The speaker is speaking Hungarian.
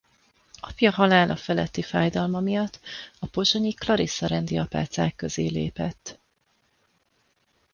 Apja halála feletti fájdalma miatt a pozsonyi Klarissza rendi apácák közé lépett.